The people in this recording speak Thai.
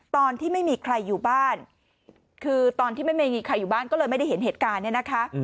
ตอนที่ไม่มีใครอยู่บ้านก็เลยไม่ได้เห็นเหตุการณ์